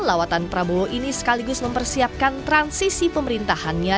lawatan prabowo ini sekaligus mempersiapkan transisi pemerintahannya